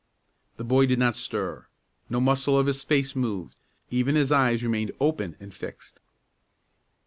The boy did not stir; no muscle of his face moved; even his eyes remained open and fixed.